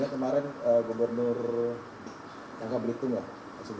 kemarin gubernur angka blitung ya mas ibu